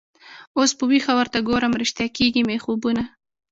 اوس په ویښه ورته ګورم ریشتیا کیږي مي خوبونه